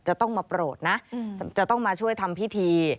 จะต้องมาโปรดนะจะต้องมาช่วยทำพิธี